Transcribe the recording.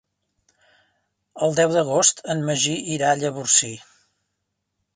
El deu d'agost en Magí irà a Llavorsí.